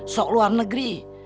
sok luar negeri